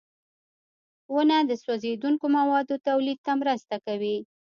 • ونه د سوځېدونکو موادو تولید ته مرسته کوي.